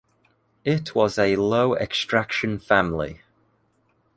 It was a low-extraction family.